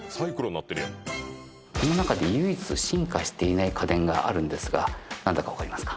この中で進化していない家電があるんですが何だか分かりますか？